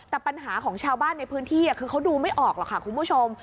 แต่ปัญหาของชาวบ้านในพื้นที่คือเขาดูไม่ออกหรอกค่ะคุณผู้ชม